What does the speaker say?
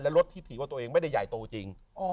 และรถที่ถือว่าตัวเองไม่ได้ใหญ่โตจริง